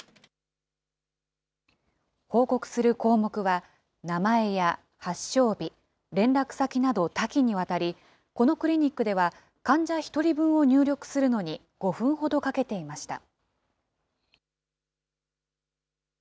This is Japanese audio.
報告する項目は名前や発症日、連絡先など多岐にわたり、このクリニックでは患者１人分を入力するのに５分ほどかけていました。